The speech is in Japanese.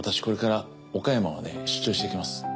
これから岡山まで出張してきます。